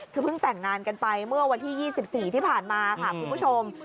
คือเพิ่งแต่งงานกันไปเมื่อวันที่๒๔ที่ผ่านมาค่ะคุณผู้ชม